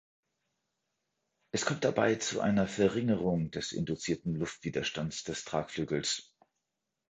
Es kommt dabei zu einer Verringerung des induzierten Luftwiderstands des Tragflügels.